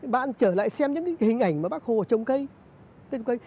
bạn trở lại xem những hình ảnh mà bác hồ trồng cây